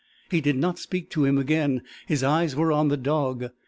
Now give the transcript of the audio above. He did not speak to him again. His eyes were on the dog.